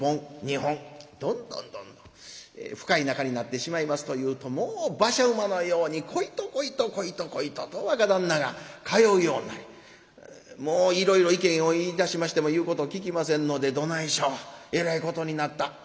どんどんどんどん深い仲になってしまいますというともう馬車馬のように小糸小糸小糸小糸と若旦那が通うようになりいろいろ意見を言いだしましても言うことを聞きませんので「どないしようえらいことになった」。